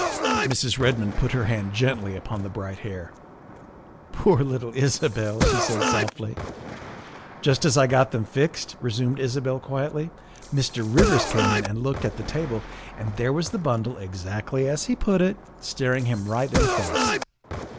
Mrs. Redmond put her hand gently upon the bright hair. " Poor little Isabel," she said softly. "Just as I got them fixed," resumed Isabel quietly, " Mr. Rivers came in and looked at the table, and there was the bundle exactly as he put it, staring him right in the face.